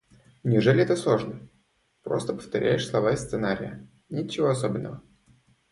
Неужели это сложно? Просто повторяешь слова из сценария, ничего особенного.